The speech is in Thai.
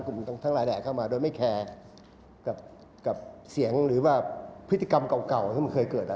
ทั้งหลายแดดเข้ามาโดยไม่แคร์กับเสียงหรือว่าพฤติกรรมเก่าที่มันเคยเกิด